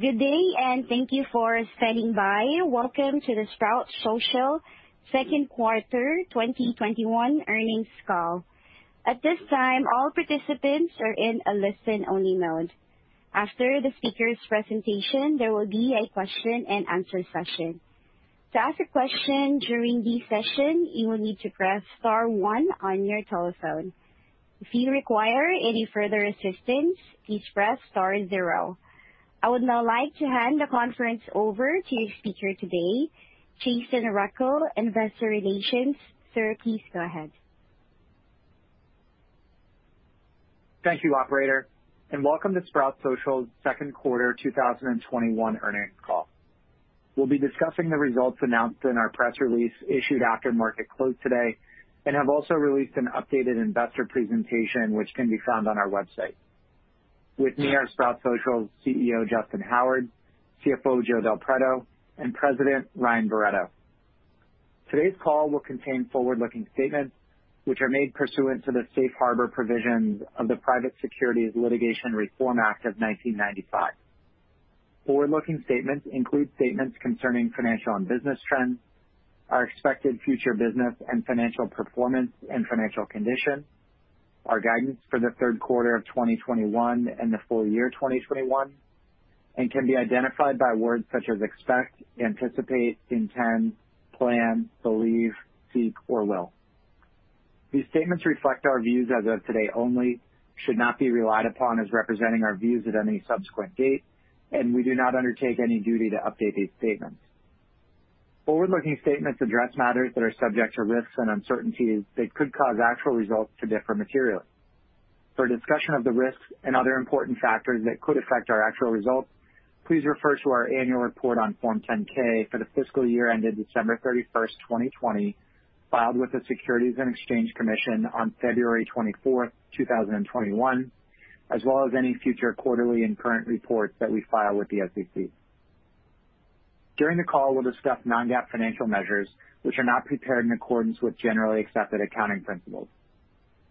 Good day, and thank you for standing by. Welcome to the Sprout Social Q2 2021 earnings call. At this time, all participants are in a listen-only mode. After the speaker's presentation, there will be a question and answer session. To ask a question during the session, you will need to press star one on your telephone. If you require any further assistance, please press star zero. I would now like to hand the conference over to your speaker today, Jason Keil, investor relations. Sir, please go ahead. Thank you, operator, and welcome to Sprout Social's Q2 2021 earnings call. We'll be discussing the results announced in our press release issued after market close today and have also released an updated investor presentation which can be found on our website. With me are Sprout Social's CEO, Justyn Howard, CFO, Joe Del Preto, and President, Ryan Barretto. Today's call will contain forward-looking statements which are made pursuant to the Safe Harbor provisions of the Private Securities Litigation Reform Act of 1995. Forward-looking statements include statements concerning financial and business trends, our expected future business and financial performance and financial condition, our guidance for the Q3 of 2021 and the full year 2021, and can be identified by words such as "expect," "anticipate," "intend," "plan," "believe," "seek," or "will." These statements reflect our views as of today only, should not be relied upon as representing our views at any subsequent date, and we do not undertake any duty to update these statements. Forward-looking statements address matters that are subject to risks and uncertainties that could cause actual results to differ materially. For a discussion of the risks and other important factors that could affect our actual results, please refer to our annual report on Form 10-K for the fiscal year ended December 31st, 2020, filed with the Securities and Exchange Commission on February 24th, 2021, as well as any future quarterly and current reports that we file with the SEC. During the call, we'll discuss non-GAAP financial measures which are not prepared in accordance with generally accepted accounting principles.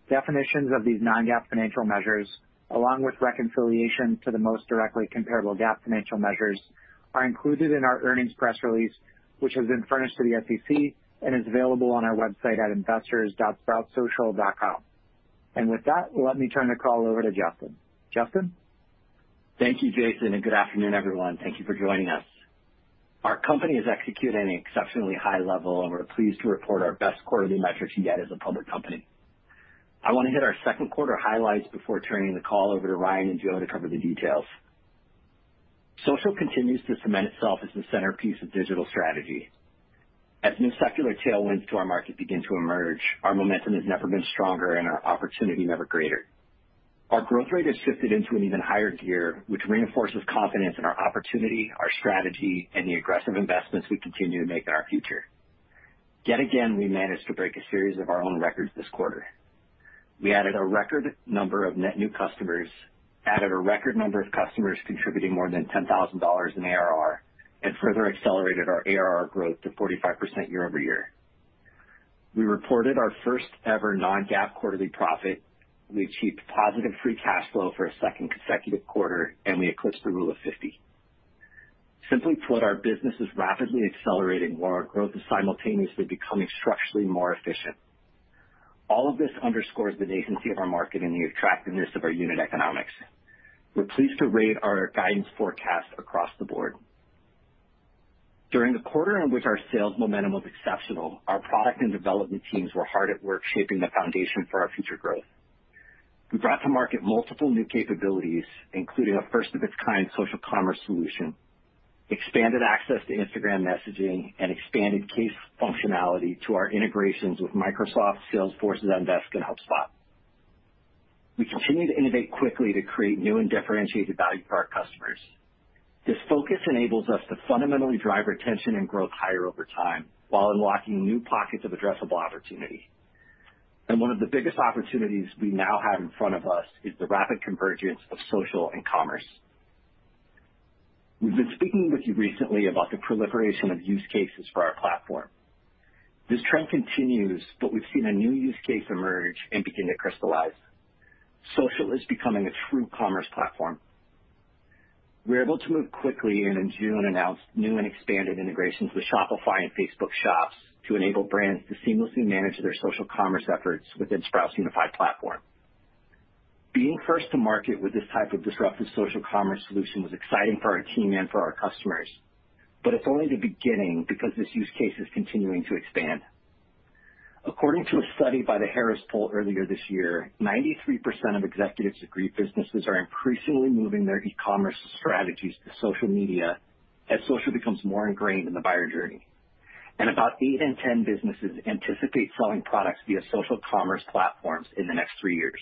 Definitions of these non-GAAP financial measures, along with reconciliation to the most directly comparable GAAP financial measures, are included in our earnings press release, which has been furnished to the SEC and is available on our website at investors.sproutsocial.com. With that, let me turn the call over to Justyn. Justyn? Thank you, Jason, and good afternoon, everyone. Thank you for joining us. Our company is executing at an exceptionally high level, and we're pleased to report our best quarterly metrics yet as a public company. I want to hit our Q2 highlights before turning the call over to Ryan and Joe to cover the details. Social continues to cement itself as the centerpiece of digital strategy. As new secular tailwinds to our market begin to emerge, our momentum has never been stronger and our opportunity never greater. Our growth rate has shifted into an even higher gear, which reinforces confidence in our opportunity, our strategy, and the aggressive investments we continue to make in our future. Yet again, we managed to break a series of our own records this quarter. We added a record number of net new customers, added a record number of customers contributing more than $10,000 in ARR, and further accelerated our ARR growth to 45% year-over-year. We reported our first-ever non-GAAP quarterly profit. We achieved positive free cash flow for a second consecutive quarter, and we eclipsed the rule of 50. Simply put, our business is rapidly accelerating while our growth is simultaneously becoming structurally more efficient. All of this underscores the nascency of our market and the attractiveness of our unit economics. We're pleased to raise our guidance forecast across the board. During the quarter in which our sales momentum was exceptional, our product and development teams were hard at work shaping the foundation for our future growth. We brought to market multiple new capabilities, including a first-of-its-kind social commerce solution, expanded access to Instagram messaging, and expanded case functionality to our integrations with Microsoft, Salesforce, Zendesk and HubSpot. We continue to innovate quickly to create new and differentiated value for our customers. This focus enables us to fundamentally drive retention and growth higher over time while unlocking new pockets of addressable opportunity. One of the biggest opportunities we now have in front of us is the rapid convergence of social and commerce. We've been speaking with you recently about the proliferation of use cases for our platform. This trend continues, but we've seen a new use case emerge and begin to crystallize. Social is becoming a true commerce platform. We were able to move quickly and in June announced new and expanded integrations with Shopify and Facebook Shops to enable brands to seamlessly manage their social commerce efforts within Sprout's unified platform. Being first to market with this type of disruptive social commerce solution was exciting for our team and for our customers, but it's only the beginning because this use case is continuing to expand. According to a study by The Harris Poll earlier this year, 93% of executives agree businesses are increasingly moving their e-commerce strategies to social media as social becomes more ingrained in the buyer journey. About 8 in 10 businesses anticipate selling products via social commerce platforms in the next three years.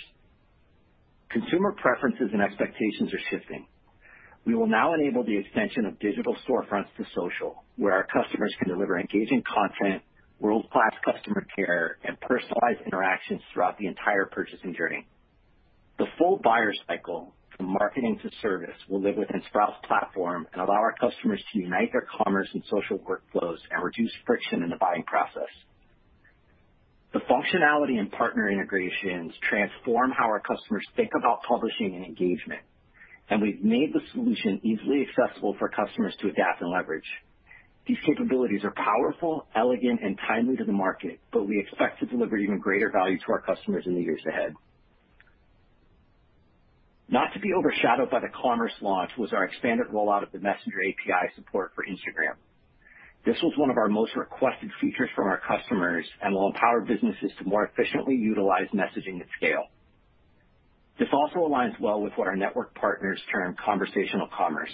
Consumer preferences and expectations are shifting. We will now enable the extension of digital storefronts to social, where our customers can deliver engaging content, world-class customer care, and personalized interactions throughout the entire purchasing journey. The full buyer cycle from marketing to service will live within Sprout's platform and allow our customers to unite their commerce and social workflows and reduce friction in the buying process. We've made the solution easily accessible for customers to adapt and leverage. These capabilities are powerful, elegant, and timely to the market. We expect to deliver even greater value to our customers in the years ahead. Not to be overshadowed by the commerce launch was our expanded rollout of the Messenger API support for Instagram. This was one of our most requested features from our customers and will empower businesses to more efficiently utilize messaging at scale. This also aligns well with what our network partners term conversational commerce.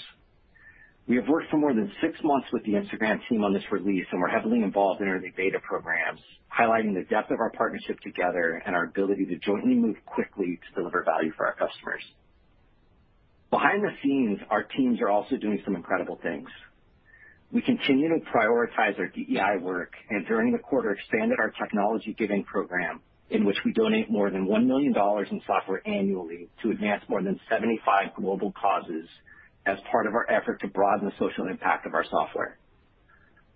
We have worked for more than six months with the Instagram team on this release, and we're heavily involved in early beta programs, highlighting the depth of our partnership together and our ability to jointly move quickly to deliver value for our customers. Behind the scenes, our teams are also doing some incredible things. We continue to prioritize our DEI work, and during the quarter expanded our technology giving program, in which we donate more than $1 million in software annually to advance more than 75 global causes as part of our effort to broaden the social impact of our software.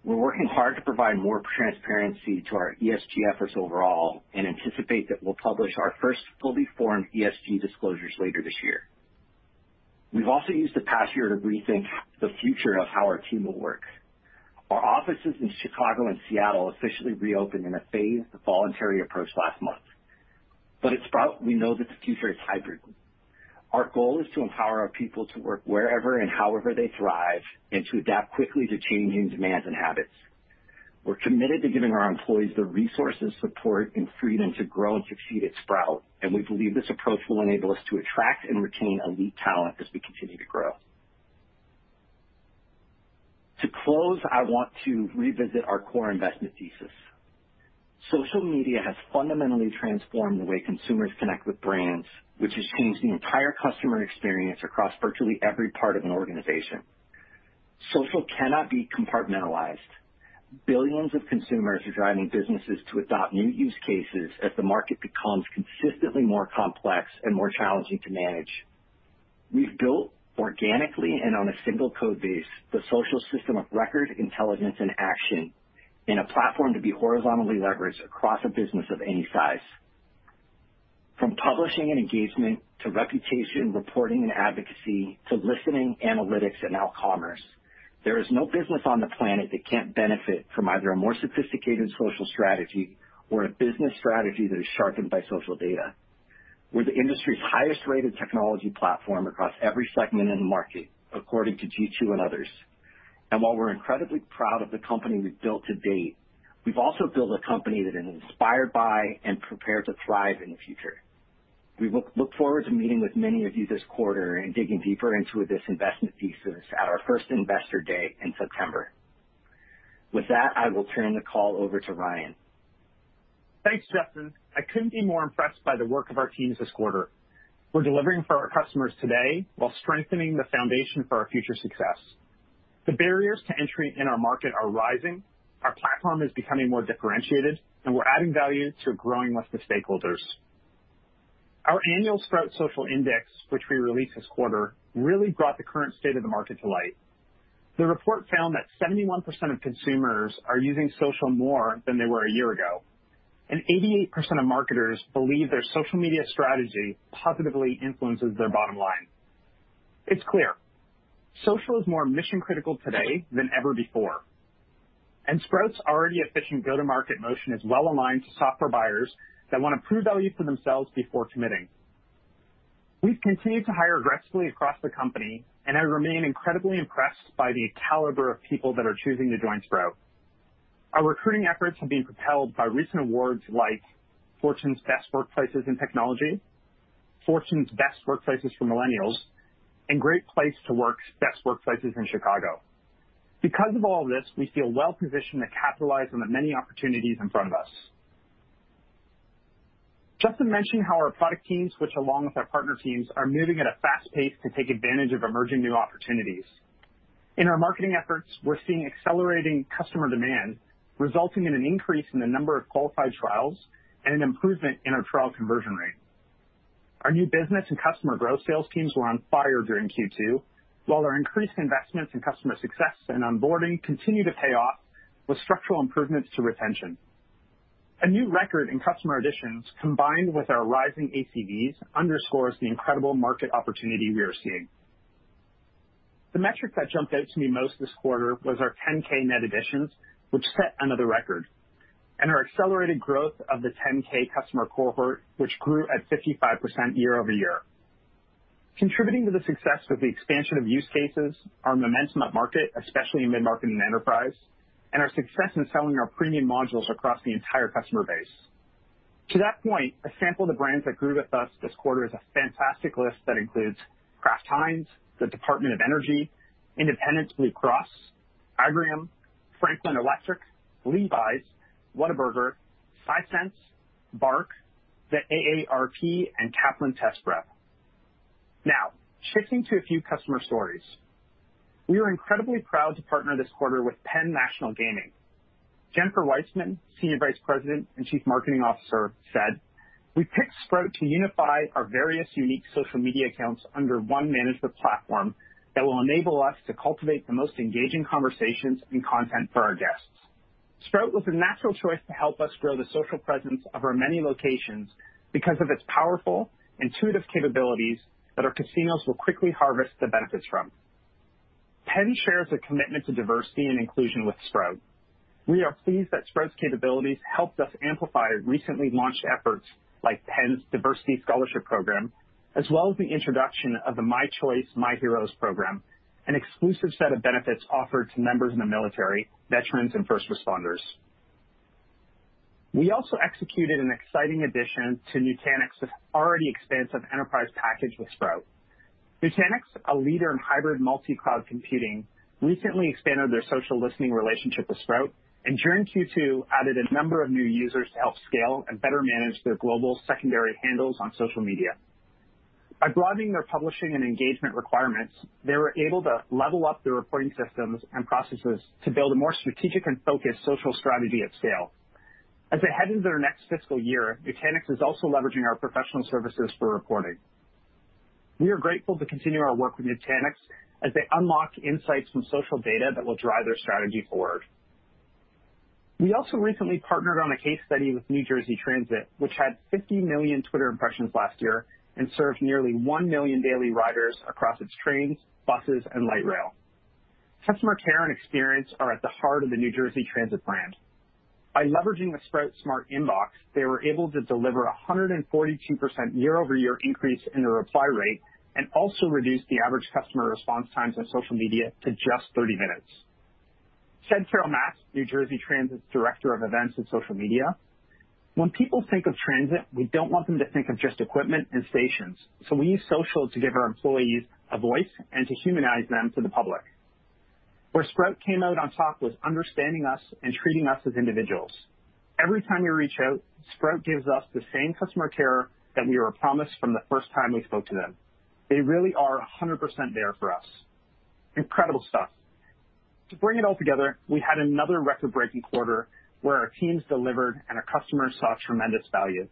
We're working hard to provide more transparency to our ESG efforts overall and anticipate that we'll publish our first fully formed ESG disclosures later this year. We've also used the past year to rethink the future of how our team will work. Our offices in Chicago and Seattle officially reopened in a phased voluntary approach last month, but at Sprout, we know that the future is hybrid. Our goal is to empower our people to work wherever and however they thrive and to adapt quickly to changing demands and habits. We're committed to giving our employees the resources, support, and freedom to grow and succeed at Sprout, and we believe this approach will enable us to attract and retain elite talent as we continue to grow. To close, I want to revisit our core investment thesis. Social media has fundamentally transformed the way consumers connect with brands, which has changed the entire customer experience across virtually every part of an organization. Social cannot be compartmentalized. Billions of consumers are driving businesses to adopt new use cases as the market becomes consistently more complex and more challenging to manage. We've built organically and on a single code base the social system of record, intelligence, and action in a platform to be horizontally leveraged across a business of any size. From publishing and engagement to reputation, reporting, and advocacy to listening, analytics, and now commerce, there is no business on the planet that can't benefit from either a more sophisticated social strategy or a business strategy that is sharpened by social data. We're the industry's highest-rated technology platform across every segment in the market, according to G2 and others. While we're incredibly proud of the company we've built to date, we've also built a company that is inspired by and prepared to thrive in the future. We look forward to meeting with many of you this quarter and digging deeper into this investment thesis at our first investor day in September. With that, I will turn the call over to Ryan. Thanks, Justyn. I couldn't be more impressed by the work of our teams this quarter. We're delivering for our customers today while strengthening the foundation for our future success. The barriers to entry in our market are rising, our platform is becoming more differentiated, and we're adding value to growing with the stakeholders. Our annual Sprout Social Index, which we released this quarter, really brought the current state of the market to light. The report found that 71% of consumers are using social more than they were a year ago, and 88% of marketers believe their social media strategy positively influences their bottom line. It's clear, social is more mission-critical today than ever before, and Sprout's already efficient go-to-market motion is well-aligned to software buyers that want to prove value for themselves before committing. We've continued to hire aggressively across the company, and I remain incredibly impressed by the caliber of people that are choosing to join Sprout. Our recruiting efforts have been propelled by recent awards like Fortune's Best Workplaces in Technology, Fortune's Best Workplaces for Millennials, and Great Place to Work's Best Workplaces in Chicago. Because of all this, we feel well-positioned to capitalize on the many opportunities in front of us. Justyn mentioned how our product teams, which along with our partner teams, are moving at a fast pace to take advantage of emerging new opportunities. In our marketing efforts, we're seeing accelerating customer demand, resulting in an increase in the number of qualified trials and an improvement in our trial conversion rate. Our new business and customer growth sales teams were on fire during Q2, while our increased investments in customer success and onboarding continue to pay off with structural improvements to retention. A new record in customer additions, combined with our rising ACVs, underscores the incredible market opportunity we are seeing. The metric that jumped out to me most this quarter was our 10K net additions, which set another record, and our accelerated growth of the 10K customer cohort, which grew at 55% year-over-year. Contributing to the success of the expansion of use cases are momentum at market, especially in mid-market and enterprise, and our success in selling our premium modules across the entire customer base. To that point, a sample of the brands that grew with us this quarter is a fantastic list that includes Kraft Heinz, the Department of Energy, Independence Blue Cross, Ingram, Franklin Electric, Levi's, Whataburger, Five Cents, BARK, the AARP, and Kaplan Test Prep. Shifting to a few customer stories. We are incredibly proud to partner this quarter with Penn National Gaming. Jamie Gilpin, Senior Vice President and Chief Marketing Officer, said, 'We picked Sprout to unify our various unique social media accounts under 1 management platform that will enable us to cultivate the most engaging conversations and content for our guests.' Sprout was a natural choice to help us grow the social presence of our many locations because of its powerful, intuitive capabilities that our casinos will quickly harvest the benefits from. Penn shares a commitment to diversity and inclusion with Sprout. We are pleased that Sprout Social's capabilities helped us amplify recently launched efforts like Penn's Diversity Scholarship Program, as well as the introduction of the My Choice, My Heroes program, an exclusive set of benefits offered to members in the military, veterans, and first responders. We also executed an exciting addition to Nutanix's already expansive enterprise package with Sprout Social. Nutanix, a leader in hybrid multi-cloud computing, recently expanded their social listening relationship with Sprout Social, and during Q2, added a number of new users to help scale and better manage their global secondary handles on social media. By broadening their publishing and engagement requirements, they were able to level up their reporting systems and processes to build a more strategic and focused social strategy at scale. As they head into their next fiscal year, Nutanix is also leveraging our professional services for reporting. We are grateful to continue our work with Nutanix as they unlock insights from social data that will drive their strategy forward. We also recently partnered on a case study with New Jersey Transit, which had 50 million Twitter impressions last year and serves nearly 1 million daily riders across its trains, buses, and light rail. Customer care and experience are at the heart of the New Jersey Transit brand. By leveraging the Sprout Smart Inbox, they were able to deliver 142% year-over-year increase in their reply rate, and also reduce the average customer response times on social media to just 30 minutes. Said Carol Massar, New Jersey Transit's director of events and social media, "When people think of transit, we don't want them to think of just equipment and stations, so we use social to give our employees a voice and to humanize them to the public. Where Sprout came out on top was understanding us and treating us as individuals. Every time we reach out, Sprout gives us the same customer care that we were promised from the first time we spoke to them. They really are 100% there for us. Incredible stuff. To bring it all together, we had another record-breaking quarter where our teams delivered, and our customers saw tremendous value.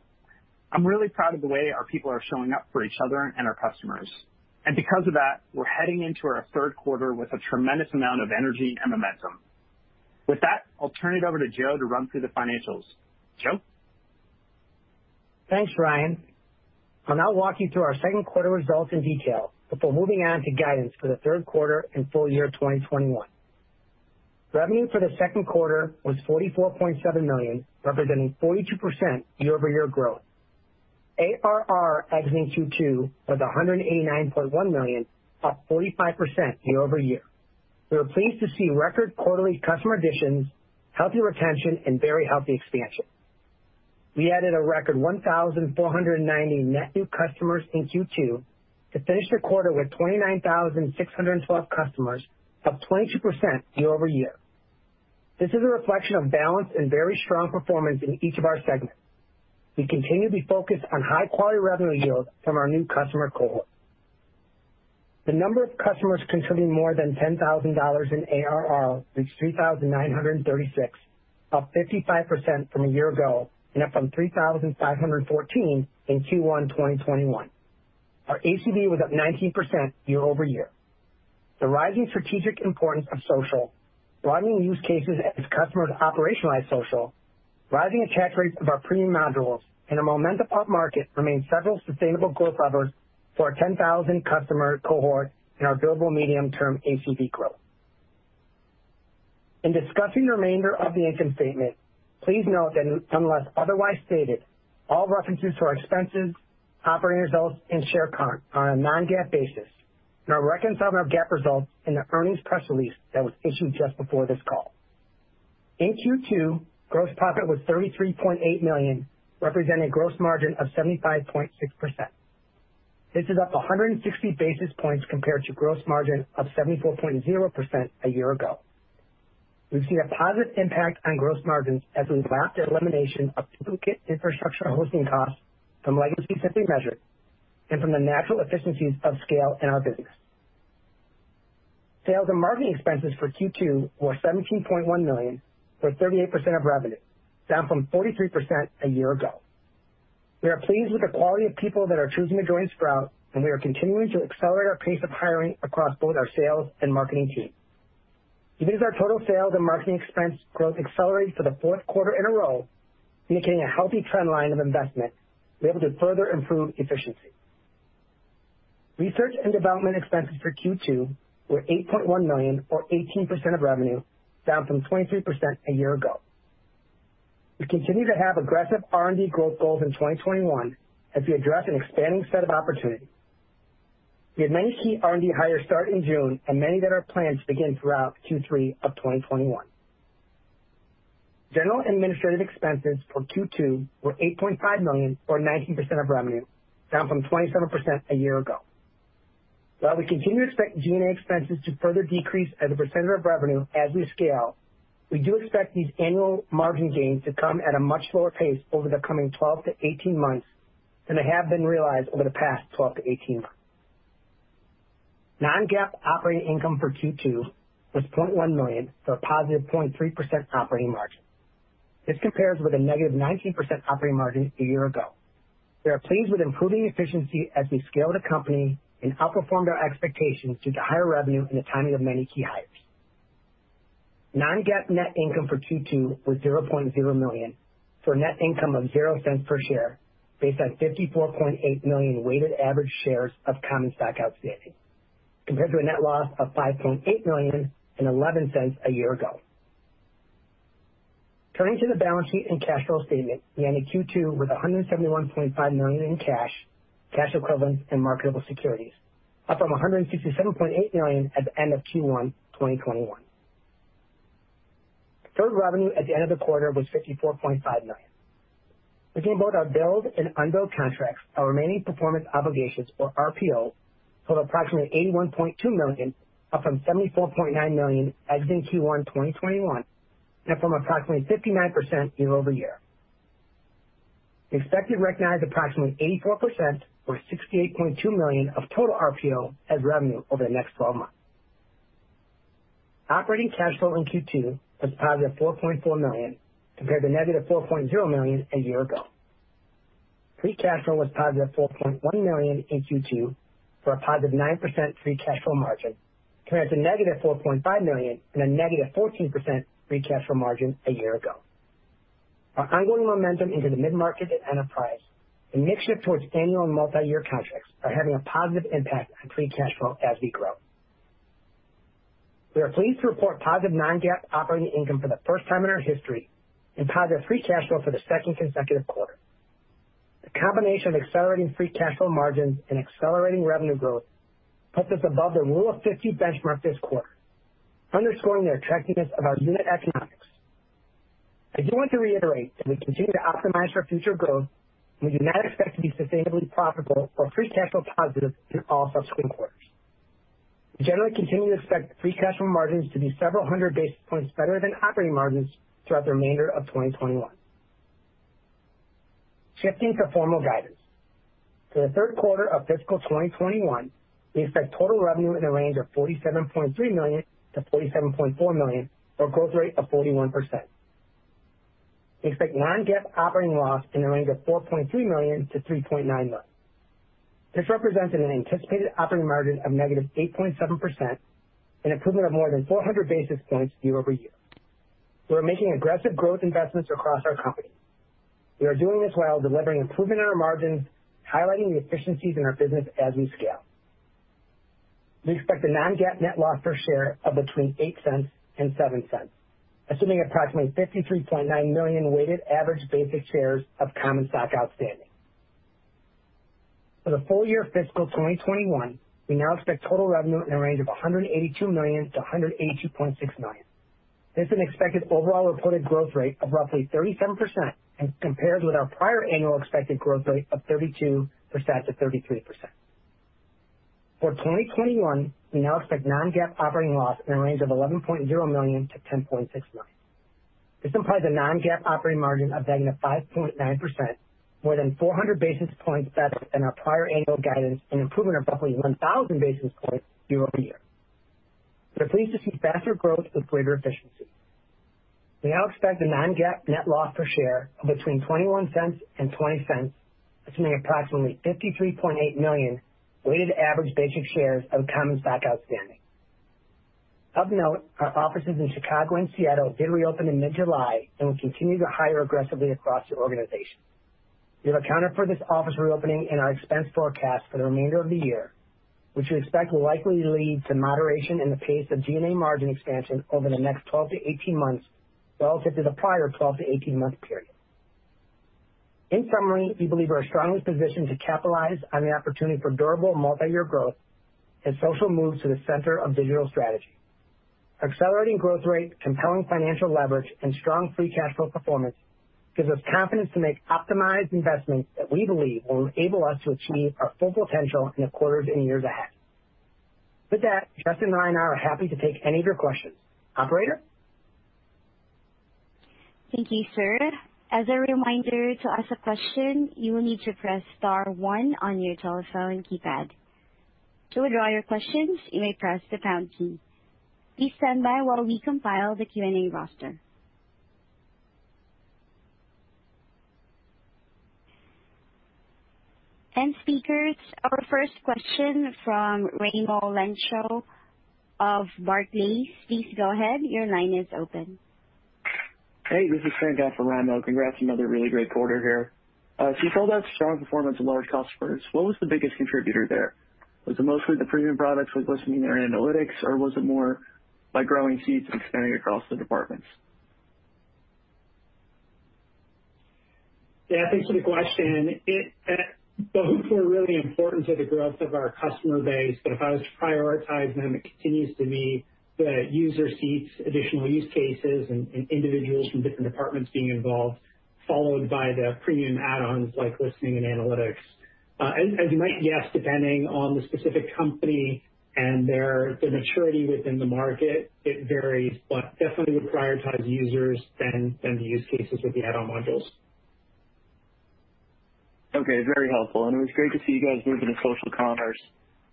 I'm really proud of the way our people are showing up for each other and our customers, and because of that, we're heading into our Q3 with a tremendous amount of energy and momentum. With that, I'll turn it over to Joe to run through the financials. Joe? Thanks, Ryan. I'll now walk you through our Q2 results in detail before moving on to guidance for the Q3 and full year 2021. Revenue for the Q2 was $44.7 million, representing 42% year-over-year growth. ARR exiting Q2 was $189.1 million, up 45% year-over-year. We were pleased to see record quarterly customer additions, healthy retention, and very healthy expansion. We added a record 1,490 net new customers in Q2 to finish the quarter with 29,612 customers, up 22% year-over-year. This is a reflection of balanced and very strong performance in each of our segments. We continue to be focused on high-quality revenue yield from our new customer cohort. The number of customers contributing more than $10,000 in ARR reached 3,936, up 55% from a year ago, and up from 3,514 in Q1 2021. Our ACV was up 19% year-over-year. The rising strategic importance of social, broadening use cases as customers operationalize social, rising attach rates of our premium modules, and a momentum upmarket remain several sustainable growth levers for our 10,000 customer cohort and our billable medium-term ACV growth. In discussing the remainder of the income statement, please note that unless otherwise stated, all references to our expenses, operating results, and share count are on a non-GAAP basis, and are reconciling our GAAP results in the earnings press release that was issued just before this call. In Q2, gross profit was $33.8 million, representing gross margin of 75.6%. This is up 160 basis points compared to gross margin of 74.0% a year ago. We've seen a positive impact on gross margins as we've lacked the elimination of duplicate infrastructure hosting costs from legacy Simply Measured and from the natural efficiencies of scale in our business. Sales and marketing expenses for Q2 were $17.1 million, or 38% of revenue, down from 43% a year ago. We are pleased with the quality of people that are choosing to join Sprout, and we are continuing to accelerate our pace of hiring across both our sales and marketing teams. Even as our total sales and marketing expense growth accelerated for the fourth quarter in a row, indicating a healthy trend line of investment, we are able to further improve efficiency. Research and development expenses for Q2 were $8.1 million, or 18% of revenue, down from 23% a year ago. We continue to have aggressive R&D growth goals in 2021 as we address an expanding set of opportunities. We had many key R&D hires start in June and many that are planned to begin throughout Q3 of 2021. General and administrative expenses for Q2 were $8.5 million or 19% of revenue, down from 27% a year ago. While we continue to expect G&A expenses to further decrease as a percentage of revenue as we scale, we do expect these annual margin gains to come at a much slower pace over the coming 12-18 months than they have been realized over the past 12-18 months. Non-GAAP operating income for Q2 was $0.1 million for a positive 0.3% operating margin. This compares with a negative 19% operating margin a year ago. We are pleased with improving efficiency as we scale the company and outperformed our expectations due to higher revenue and the timing of many key hires. Non-GAAP net income for Q2 was $0.0 million, for net income of $0.00 per share, based on 54.8 million weighted average shares of common stock outstanding, compared to a net loss of $5.8 million and $0.11 a year ago. Turning to the balance sheet and cash flow statement, we ended Q2 with $171.5 million in cash equivalents, and marketable securities, up from $167.8 million at the end of Q1 2021. Deferred revenue at the end of the quarter was $54.5 million. Looking both at billed and unbilled contracts, our remaining performance obligations, or RPO, total approximately $81.2 million, up from $74.9 million as in Q1 2021, and up from approximately 59% year-over-year. We expect to recognize approximately 84%, or $68.2 million, of total RPO as revenue over the next 12 months. Operating cash flow in Q2 was positive $4.4 million, compared to negative $4.0 million a year ago. Free cash flow was positive $4.1 million in Q2, for a positive 9% free cash flow margin, compared to negative $4.5 million and a negative 14% free cash flow margin a year ago. Our ongoing momentum into the mid-market and enterprise, and mix shift towards annual and multi-year contracts are having a positive impact on free cash flow as we grow. We are pleased to report positive non-GAAP operating income for the first time in our history and positive free cash flow for the second consecutive quarter. The combination of accelerating free cash flow margins and accelerating revenue growth puts us above the rule of 50 benchmark this quarter, underscoring the attractiveness of our unit economics. I do want to reiterate that we continue to optimize for future growth, and we do not expect to be sustainably profitable or free cash flow positive through all subsequent quarters. We generally continue to expect free cash flow margins to be several hundred basis points better than operating margins throughout the remainder of 2021. Shifting to formal guidance. For the Q3 of fiscal 2021, we expect total revenue in the range of $47.3 million-$47.4 million, or a growth rate of 41%. We expect non-GAAP operating loss in the range of $4.3 million-$3.9 million. This represents an anticipated operating margin of negative 8.7%, an improvement of more than 400 basis points year-over-year. We are making aggressive growth investments across our company. We are doing this while delivering improvement in our margins, highlighting the efficiencies in our business as we scale. We expect a non-GAAP net loss per share of between $0.08 and $0.07, assuming approximately 53.9 million weighted average basic shares of common stock outstanding. For the full year fiscal 2021, we now expect total revenue in the range of $182 million-$182.6 million. This is an expected overall reported growth rate of roughly 37%, as compared with our prior annual expected growth rate of 32%-33%. For 2021, we now expect non-GAAP operating loss in the range of $11.0 million-$10.6 million. This implies a non-GAAP operating margin of negative 5.9%, more than 400 basis points better than our prior annual guidance, an improvement of roughly 1,000 basis points year-over-year. We are pleased to see faster growth with greater efficiency. We now expect a non-GAAP net loss per share of between $0.21 and $0.20, assuming approximately 53.8 million weighted average basic shares of common stock outstanding. Of note, our offices in Chicago and Seattle did reopen in mid-July. We continue to hire aggressively across the organization. We have accounted for this office reopening in our expense forecast for the remainder of the year, which we expect will likely lead to moderation in the pace of G&A margin expansion over the next 12 to 18 months, relative to the prior 12 to 18 month period. In summary, we believe we are strongly positioned to capitalize on the opportunity for durable multi-year growth as social moves to the center of digital strategy. Accelerating growth rate, compelling financial leverage, and strong free cash flow performance gives us confidence to make optimized investments that we believe will enable us to achieve our full potential in the quarters and years ahead. With that, Justyn, Ryan, and I are happy to take any of your questions. Operator? Thank you, sir. As a reminder, to ask a question, you will need to press star one on your telephone keypad. To withdraw your questions, you may press the pound key. Please stand by while we compile the Q&A roster. Speakers, our first question from Raimo Lenschow of Barclays. Please go ahead. Your line is open. Hey, this is Frank out for Raimo. Congrats on another really great quarter here. You called out strong performance of large customers. What was the biggest contributor there? Was it mostly the premium products with Listening and Analytics, or was it more by growing seats and expanding across the departments? Yeah, thanks for the question. Both were really important to the growth of our customer base. If I was to prioritize them, it continues to be the user seats, additional use cases, and individuals from different departments being involved, followed by the premium add-ons like Listening and Analytics. As you might guess, depending on the specific company and their maturity within the market, it varies, but definitely would prioritize users then the use cases with the add-on modules. Okay. Very helpful. It was great to see you guys move into social commerce.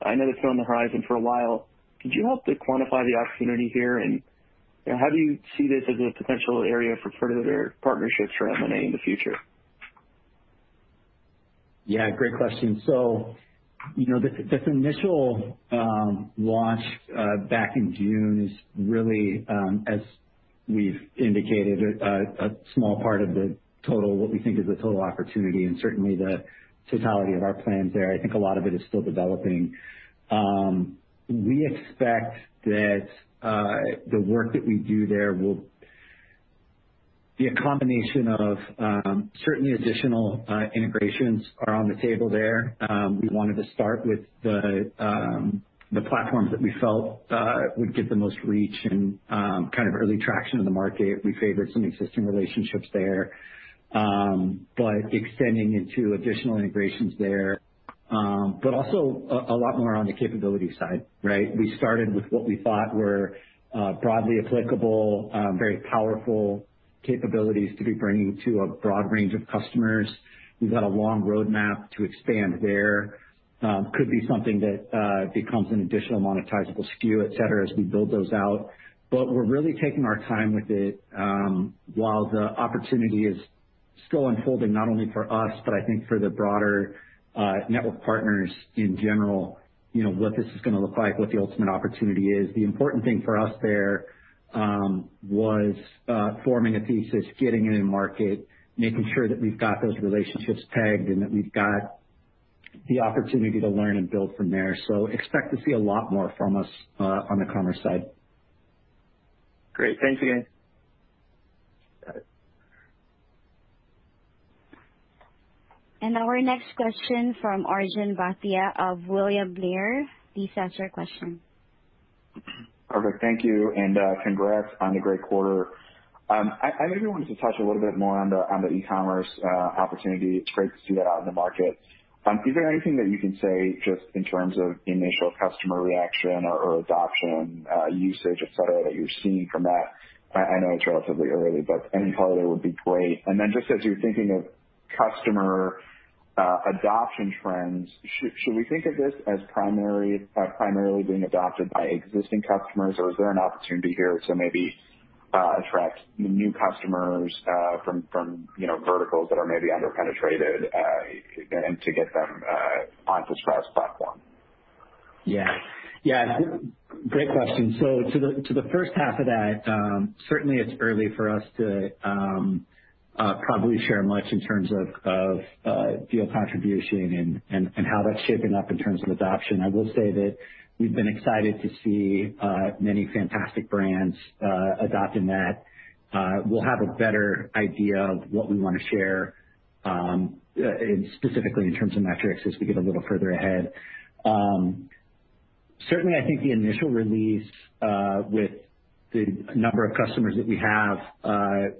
I know it's been on the horizon for a while. Could you help to quantify the opportunity here? How do you see this as a potential area for further partnerships or M&A in the future? Yeah, great question. This initial launch back in June is really, as we've indicated, a small part of what we think is the total opportunity and certainly the totality of our plans there. I think a lot of it is still developing. We expect that the work that we do there will be a combination of, certainly additional integrations are on the table there. We wanted to start with the platforms that we felt would get the most reach and early traction in the market. We favored some existing relationships there. Extending into additional integrations there, but also a lot more on the capability side, right? We started with what we thought were broadly applicable, very powerful capabilities to be bringing to a broad range of customers. We've got a long roadmap to expand there. Could be something that becomes an additional monetizable SKU, et cetera, as we build those out. We're really taking our time with it. While the opportunity is still unfolding, not only for us, but I think for the broader network partners in general, what this is going to look like, what the ultimate opportunity is. The important thing for us there was forming a thesis, getting it in market, making sure that we've got those relationships tagged, and that we've got the opportunity to learn and build from there. Expect to see a lot more from us on the commerce side. Great. Thanks again. Got it. Our next question from Arjun Bhatia of William Blair. Please ask your question. Perfect. Thank you. Congrats on the great quarter. I maybe wanted to touch a little bit more on the e-commerce opportunity. It's great to see that out in the market. Is there anything that you can say just in terms of initial customer reaction or adoption, usage, et cetera, that you're seeing from that? I know it's relatively early. Any color there would be great. Just as you're thinking of customer adoption trends, should we think of this as primarily being adopted by existing customers, or is there an opportunity here to maybe attract new customers from verticals that are maybe under-penetrated, and to get them onto Sprout's platform? Yes. Great question. To the first half of that, certainly it's early for us to probably share much in terms of deal contribution and how that's shaping up in terms of adoption. I will say that we've been excited to see many fantastic brands adopting that. We'll have a better idea of what we want to share, specifically in terms of metrics, as we get a little further ahead. Certainly, I think the initial release with the number of customers that we have,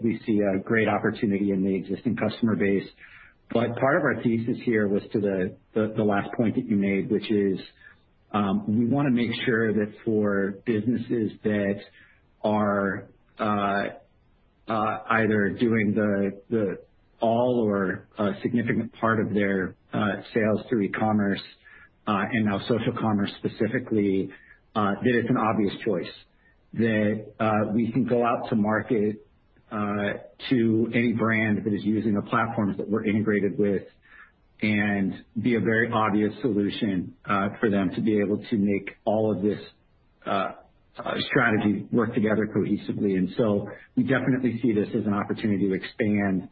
we see a great opportunity in the existing customer base. Part of our thesis here was to the last point that you made, which is, we want to make sure that for businesses that are either doing the all or a significant part of their sales through e-commerce, and now social commerce specifically, that it's an obvious choice. That we can go out to market to any brand that is using the platforms that we're integrated with and be a very obvious solution for them to be able to make all of this strategy work together cohesively. We definitely see this as an opportunity to expand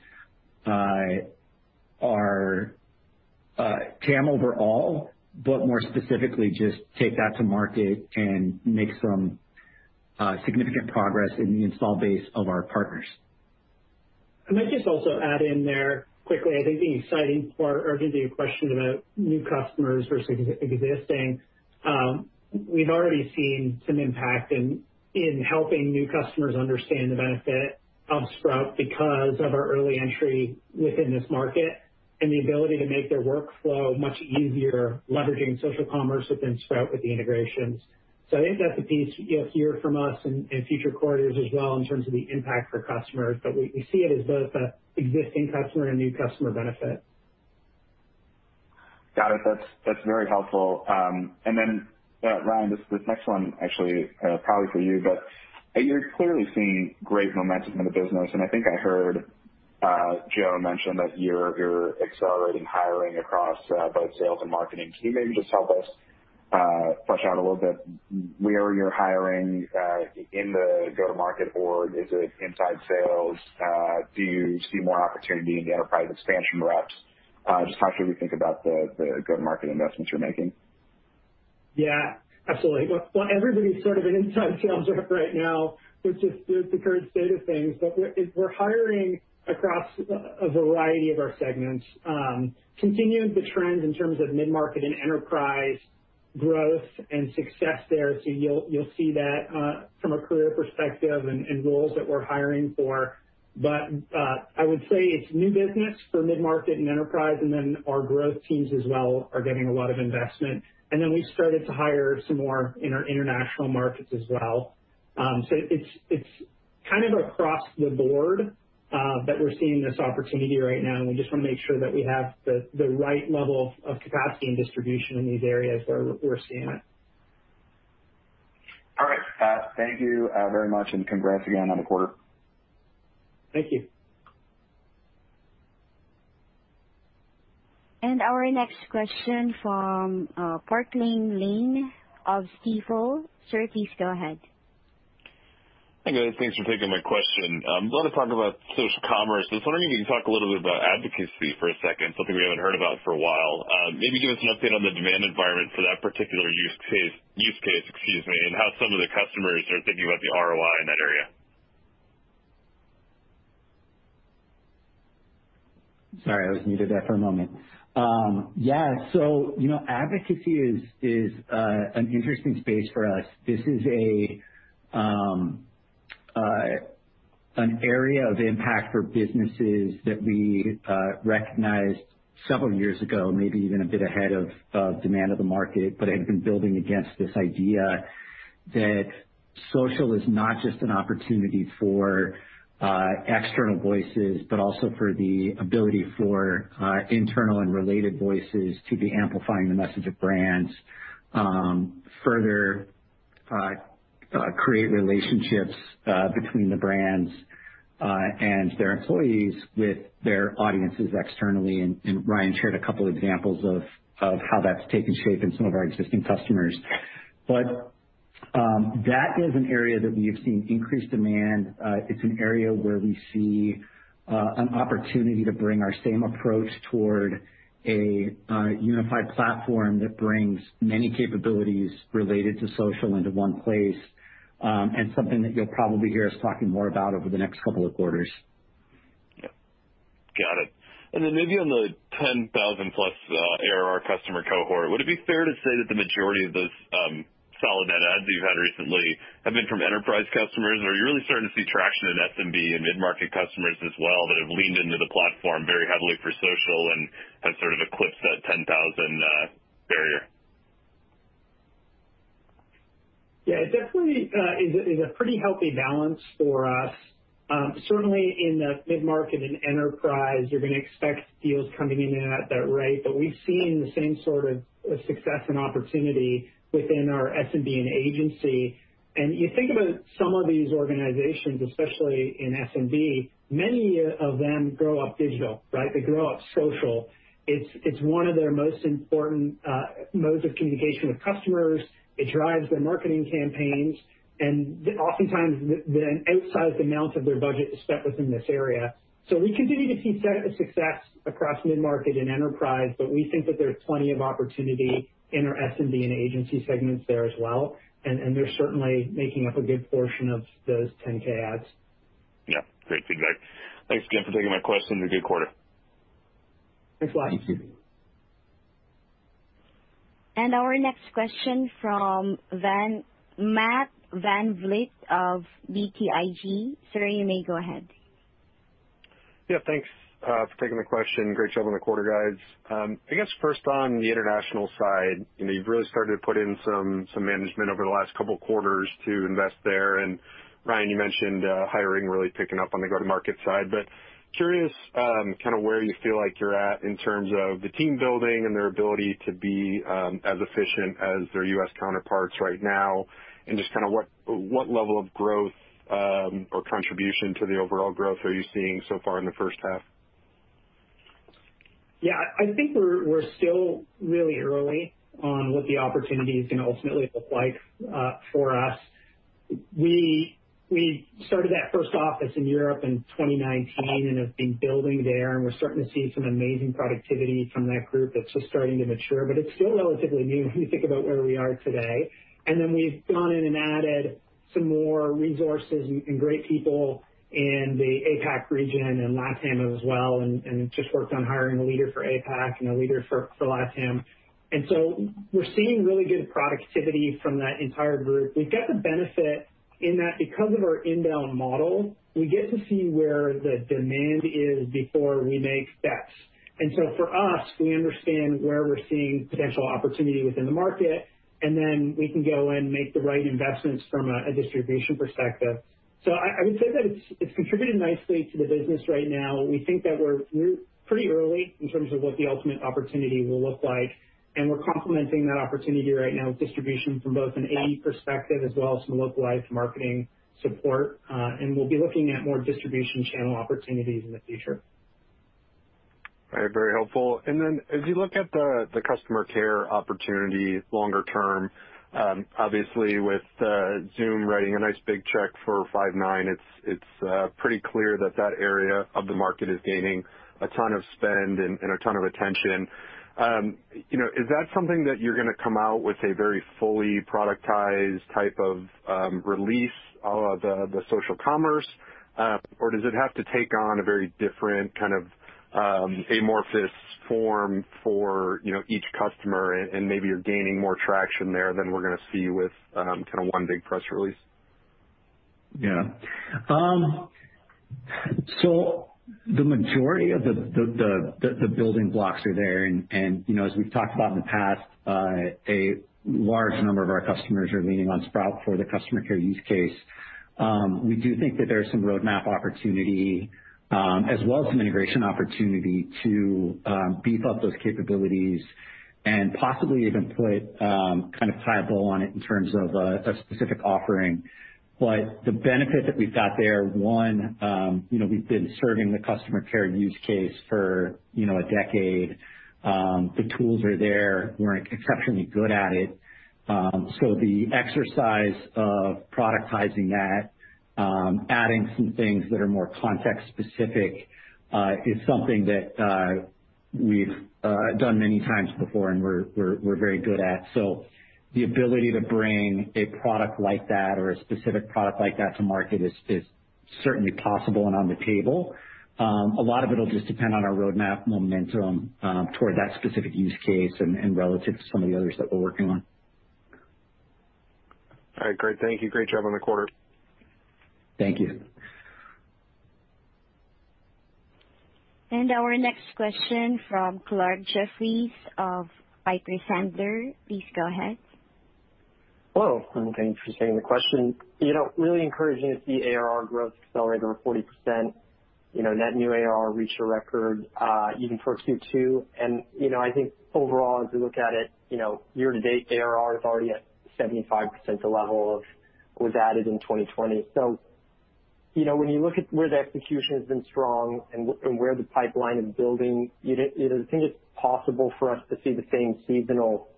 our TAM overall, but more specifically, just take that to market and make some significant progress in the install base of our partners. I might just also add in there quickly, I think the exciting part, Arjun, to your question about new customers versus existing. We've already seen some impact in helping new customers understand the benefit of Sprout because of our early entry within this market and the ability to make their workflow much easier, leveraging social commerce within Sprout with the integrations. I think that's a piece you'll hear from us in future quarters as well in terms of the impact for customers. We see it as both an existing customer and new customer benefit. Got it. That's very helpful. Ryan, this next one actually probably for you, but you're clearly seeing great momentum in the business, and I think I heard Joe mention that you're accelerating hiring across both sales and marketing. Can you maybe just help us flesh out a little bit where you're hiring in the go-to-market org? Is it inside sales? Do you see more opportunity in the enterprise expansion reps? How should we think about the go-to-market investments you're making? Yeah, absolutely. Well, everybody's sort of an inside sales rep right now, which is the current state of things. We're hiring across a variety of our segments. Continuing the trends in terms of mid-market and enterprise growth and success there. You'll see that from a career perspective and roles that we're hiring for. I would say it's new business for mid-market and enterprise, and then our growth teams as well are getting a lot of investment. We started to hire some more in our international markets as well. It's kind of across the board, that we're seeing this opportunity right now, and we just want to make sure that we have the right level of capacity and distribution in these areas where we're seeing it. All right. Thank you very much. Congrats again on the quarter. Thank you. Our next question from Parker Lane of Stifel. Sir, please go ahead. Hey, guys. Thanks for taking my question. I want to talk about social commerce. I was wondering if you could talk a little bit about advocacy for a second, something we haven't heard about for a while. Maybe give us an update on the demand environment for that particular use case, excuse me, and how some of the customers are thinking about the ROI in that area. Sorry, I was muted there for a moment. Yeah. Advocacy is an interesting space for us. This is an area of impact for businesses that we recognized several years ago, maybe even a bit ahead of demand of the market, but have been building against this idea that social is not just an opportunity for external voices, but also for the ability for internal and related voices to be amplifying the message of brands, further create relationships between the brands and their employees with their audiences externally. Ryan shared a couple examples of how that's taken shape in some of our existing customers. That is an area that we have seen increased demand. It's an area where we see an opportunity to bring our same approach toward a unified platform that brings many capabilities related to social into one place, and something that you'll probably hear us talking more about over the next couple of quarters. Yep. Got it. Maybe on the 10,000-plus ARR customer cohort, would it be fair to say that the majority of those solid net adds you've had recently have been from enterprise customers? Are you really starting to see traction in SMB and mid-market customers as well, that have leaned into the platform very heavily for social and have sort of eclipsed that 10,000 barrier? It definitely is a pretty healthy balance for us. Certainly in the mid-market and enterprise, you're going to expect deals coming in at that rate. We've seen the same sort of success and opportunity within our SMB and agency. You think about some of these organizations, especially in SMB, many of them grow up digital, right? They grow up social. It's one of their most important modes of communication with customers. It drives their marketing campaigns, and oftentimes an outsized amount of their budget is spent within this area. We continue to see success across mid-market and enterprise, but we think that there's plenty of opportunity in our SMB and agency segments there as well, and they're certainly making up a good portion of those 10K adds. Yeah. Great feedback. Thanks again for taking my question. Have a good quarter. Thanks a lot. Our next question from Matt VanVliet of BTIG. Sir, you may go ahead. Yeah, thanks for taking the question. Great job on the quarter, guys. I guess first on the international side, you've really started to put in some management over the last couple quarters to invest there. Ryan, you mentioned hiring really picking up on the go-to-market side, but curious kind of where you feel like you're at in terms of the team building and their ability to be as efficient as their U.S. counterparts right now, and just kind of what level of growth or contribution to the overall growth are you seeing so far in the first half? Yeah, I think we're still really early on what the opportunity is going to ultimately look like for us. We started that first office in Europe in 2019 and have been building there, and we're starting to see some amazing productivity from that group that's just starting to mature. It's still relatively new when you think about where we are today. We've gone in and added some more resources and great people in the APAC region and LATAM as well, and just worked on hiring a leader for APAC and a leader for LATAM. We're seeing really good productivity from that entire group. We've got the benefit in that because of our inbound model, we get to see where the demand is before we make steps. For us, we understand where we're seeing potential opportunity within the market, and then we can go and make the right investments from a distribution perspective. I would say that it's contributed nicely to the business right now. We think that we're pretty early in terms of what the ultimate opportunity will look like, and we're complementing that opportunity right now with distribution from both an AE perspective as well as some localized marketing support. We'll be looking at more distribution channel opportunities in the future. All right. Very helpful. As you look at the customer care opportunity longer term, obviously with Zoom writing a nice big check for Five9, it's pretty clear that that area of the market is gaining a ton of spend and a ton of attention. Is that something that you're going to come out with a very fully productized type of release of the social commerce? Does it have to take on a very different kind of amorphous form for each customer, and maybe you're gaining more traction there than we're going to see with kind of one big press release? Yeah. The majority of the building blocks are there. As we've talked about in the past, a large number of our customers are leaning on Sprout for the customer care use case. We do think that there is some roadmap opportunity, as well as some integration opportunity to beef up those capabilities and possibly even put a tie a bow on it in terms of a specific offering. The benefit that we've got there, one, we've been serving the customer care use case for a decade. The tools are there. We're exceptionally good at it. The exercise of productizing that, adding some things that are more context-specific, is something that we've done many times before, and we're very good at. The ability to bring a product like that or a specific product like that to market is certainly possible and on the table. A lot of it'll just depend on our roadmap momentum toward that specific use case and relative to some of the others that we're working on. All right, great. Thank you. Great job on the quarter. Thank you. Our next question from Clarke Jeffries of Piper Sandler. Please go ahead. Hello, and thanks for taking the question. Really encouraging to see ARR growth accelerate over 40%. Net new ARR reached a record even for Q2. I think overall, as we look at it, year to date, ARR is already at 75% the level of what was added in 2020. When you look at where the execution has been strong and where the pipeline is building, do you think it's possible for us to see the same seasonal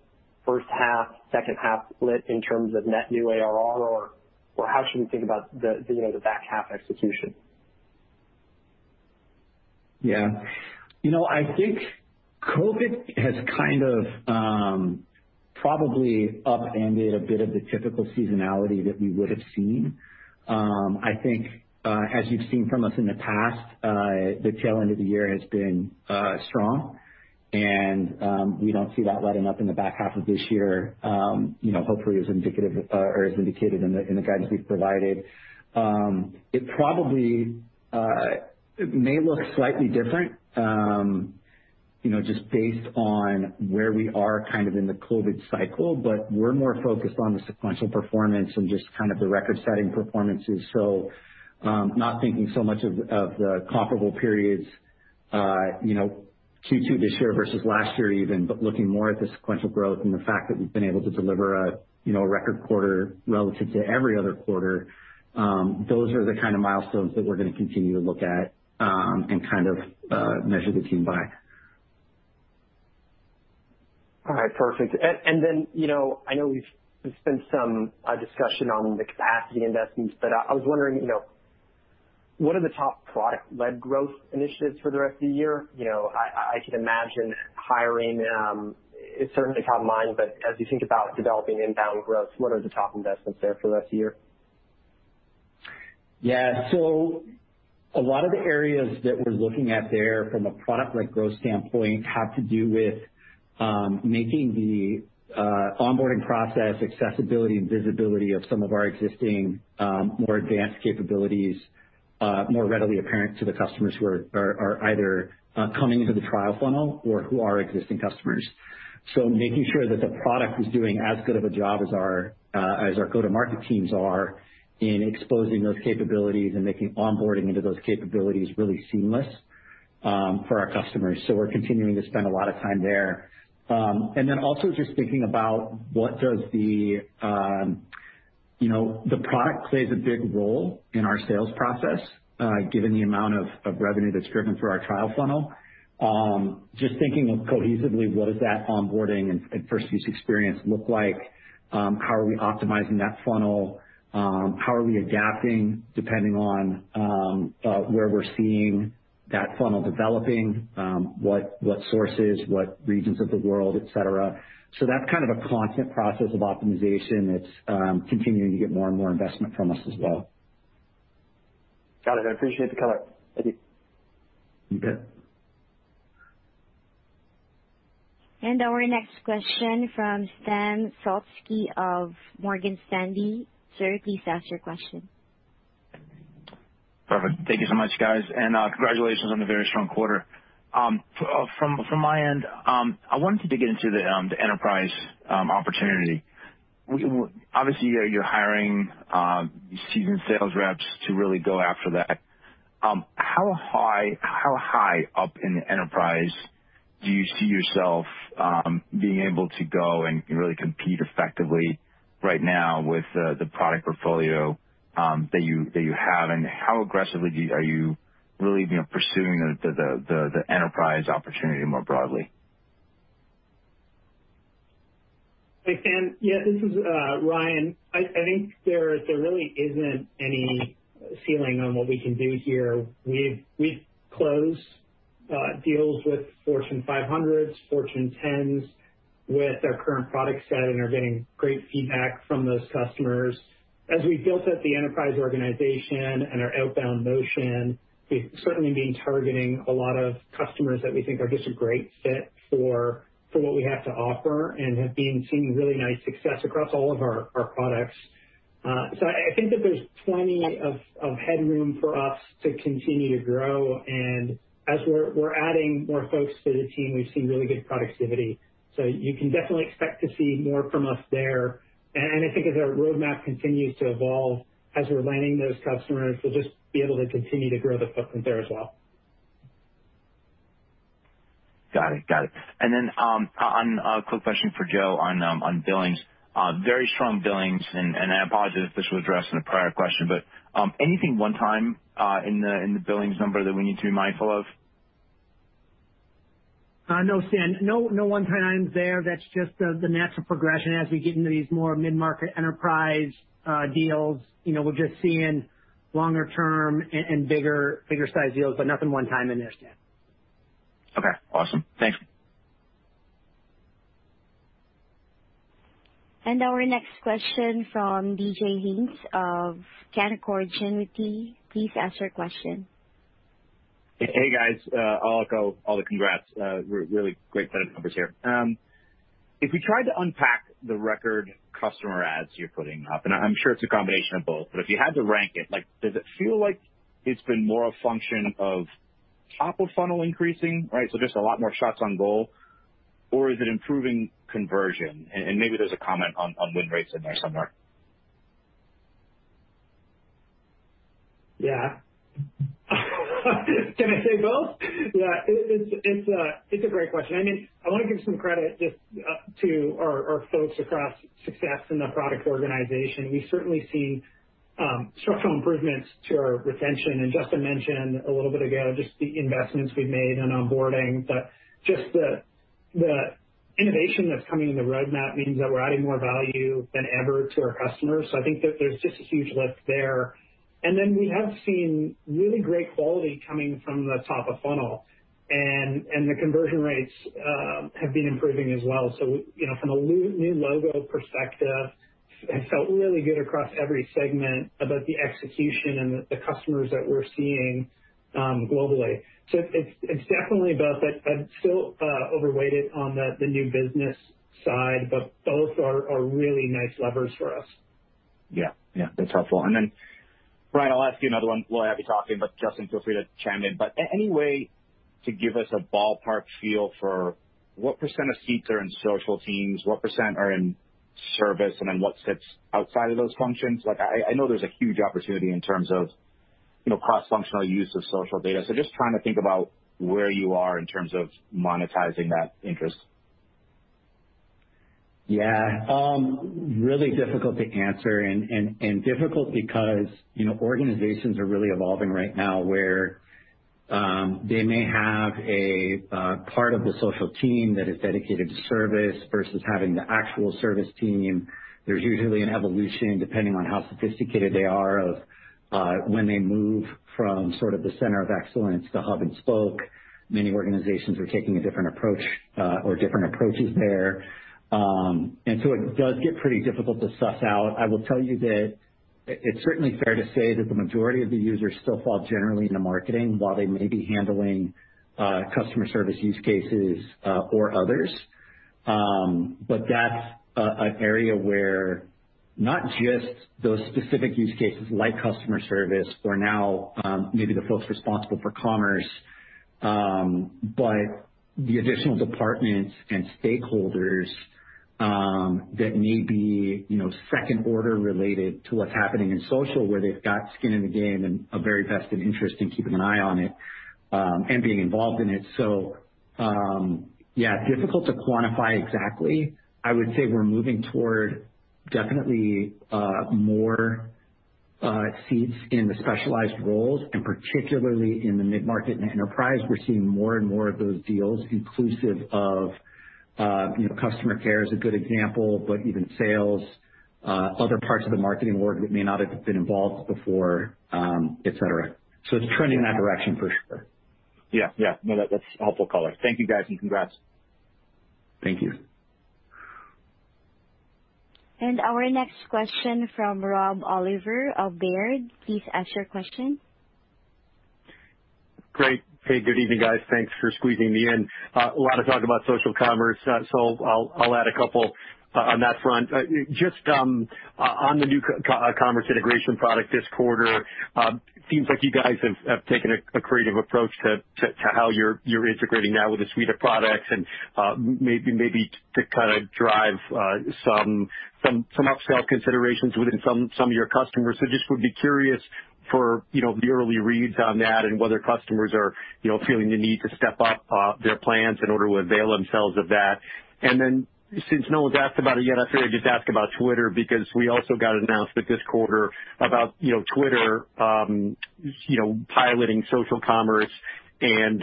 first half, second half split in terms of net new ARR? How should we think about the back half execution? Yeah. I think COVID has probably upended a bit of the typical seasonality that we would have seen. I think, as you've seen from us in the past, the tail end of the year has been strong, and we don't see that letting up in the back half of this year. Hopefully, as indicated in the guidance we've provided. It may look slightly different, just based on where we are in the COVID cycle, but we're more focused on the sequential performance and just the record-setting performances. Not thinking so much of the comparable periods Q2 this year versus last year even, but looking more at the sequential growth and the fact that we've been able to deliver a record quarter relative to every other quarter. Those are the kind of milestones that we're going to continue to look at and measure the team by. All right, perfect. I know there's been some discussion on the capacity investments, but I was wondering, what are the top product-led growth initiatives for the rest of the year? I could imagine hiring is certainly top of mind, but as you think about developing inbound growth, what are the top investments there for the rest of the year? Yeah. A lot of the areas that we're looking at there from a product-led growth standpoint have to do with making the onboarding process accessibility and visibility of some of our existing more advanced capabilities more readily apparent to the customers who are either coming into the trial funnel or who are existing customers. Making sure that the product is doing as good of a job as our go-to-market teams are in exposing those capabilities and making onboarding into those capabilities really seamless for our customers. We're continuing to spend a lot of time there. Also just thinking about The product plays a big role in our sales process, given the amount of revenue that's driven through our trial funnel. Thinking of cohesively, what does that onboarding and first use experience look like? How are we optimizing that funnel? How are we adapting depending on where we're seeing that funnel developing what sources, what regions of the world, et cetera. That's kind of a constant process of optimization that's continuing to get more and more investment from us as well. Got it. I appreciate the color. Thank you. You bet. Our next question from Stan Zlotsky of Morgan Stanley. Sir, please ask your question. Perfect. Thank you so much, guys, congratulations on the very strong quarter. From my end, I wanted to dig into the enterprise opportunity. Obviously, you're hiring seasoned sales reps to really go after that. How high up in the enterprise do you see yourself being able to go and really compete effectively right now with the product portfolio that you have, and how aggressively are you really pursuing the enterprise opportunity more broadly? Hey, Stan. Yeah, this is Ryan. I think there really isn't any ceiling on what we can do here. We've closed deals with Fortune 500s, Fortune 10s, with our current product set and are getting great feedback from those customers. As we built up the enterprise organization and our outbound motion, we've certainly been targeting a lot of customers that we think are just a great fit for what we have to offer and have been seeing really nice success across all of our products. I think that there's plenty of headroom for us to continue to grow. As we're adding more folks to the team, we've seen really good productivity. You can definitely expect to see more from us there. I think as our roadmap continues to evolve, as we're landing those customers, we'll just be able to continue to grow the footprint there as well. Got it. Then, a quick question for Joe on billings. Very strong billings, and I apologize if this was addressed in a prior question, but anything one-time in the billings number that we need to be mindful of? No, Stan. No one-time there. That's just the natural progression as we get into these more mid-market enterprise deals. We're just seeing longer-term and bigger size deals, but nothing one-time in there, Stan. Okay, awesome. Thanks. Our next question from DJ Hynes of Canaccord Genuity. Please ask your question. Hey, guys. I'll echo all the congrats. Really great set of numbers here. If we tried to unpack the record customer adds you're putting up, and I'm sure it's a combination of both, but if you had to rank it, does it feel like it's been more a function of top-of-funnel increasing, right? Just a lot more shots on goal, or is it improving conversion? Maybe there's a comment on win rates in there somewhere. Yeah. Can I say both? Yeah, it's a great question. I want to give some credit just to our folks across success in the product organization. We certainly see structural improvements to our retention. Justyn mentioned a little bit ago, just the investments we've made on onboarding, but just the innovation that's coming in the roadmap means that we're adding more value than ever to our customers. I think that there's just a huge lift there. Then we have seen really great quality coming from the top of funnel, and the conversion rates have been improving as well. From a new logo perspective, it felt really good across every segment about the execution and the customers that we're seeing globally. It's definitely both. I'd still over-weight it on the new business side, but both are really nice levers for us. Yeah. That's helpful. Ryan, I'll ask you another one while I have you talking, but Justyn, feel free to chime in, but any way to give us a ballpark feel for what % of seats are in social teams, what % are in service, and then what sits outside of those functions? I know there's a huge opportunity in terms of cross-functional use of social data. Just trying to think about where you are in terms of monetizing that interest. Yeah. Really difficult to answer and difficult because organizations are really evolving right now where they may have a part of the social team that is dedicated to service versus having the actual service team. There's usually an evolution, depending on how sophisticated they are of when they move from sort of the center of excellence to hub and spoke. Many organizations are taking a different approach or different approaches there. It does get pretty difficult to suss out. I will tell you that it's certainly fair to say that the majority of the users still fall generally into marketing while they may be handling customer service use cases or others. That's an area where not just those specific use cases like customer service or now maybe the folks responsible for commerce, but the additional departments and stakeholders that may be second order related to what's happening in social, where they've got skin in the game and a very vested interest in keeping an eye on it, and being involved in it. Yeah, difficult to quantify exactly. I would say we're moving toward definitely more seats in the specialized roles, and particularly in the mid-market and enterprise, we're seeing more and more of those deals inclusive of customer care is a good example, but even sales, other parts of the marketing org that may not have been involved before, et cetera. It's trending in that direction for sure. Yeah. No, that's a helpful color. Thank you, guys, and congrats. Thank you. Our next question from Rob Oliver of Baird. Please ask your question. Great. Hey, good evening, guys. Thanks for squeezing me in. A lot of talk about social commerce. I'll add a couple on that front. Just on the new commerce integration product this quarter, seems like you guys have taken a creative approach to how you're integrating now with a suite of products and maybe to kind of drive some upsell considerations within some of your customers. Just would be curious for the early reads on that and whether customers are feeling the need to step up their plans in order to avail themselves of that. Since no one's asked about it yet, I figured I'd just ask about Twitter, because we also got an announcement this quarter about Twitter piloting social commerce, and